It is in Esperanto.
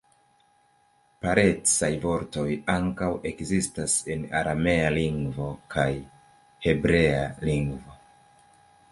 Parencaj vortoj ankaŭ ekzistas en aramea lingvo kaj hebrea lingvo.